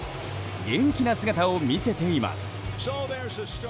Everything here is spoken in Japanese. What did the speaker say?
元気な姿を見せています。